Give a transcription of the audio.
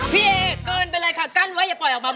พี่เอเกินไปเลยค่ะกั้นไว้อย่าปล่อยออกมา